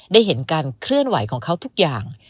ได้เห็นการเคลื่อนไหวของเขาทุกอย่าง